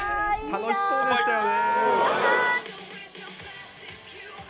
楽しそうでしたよね。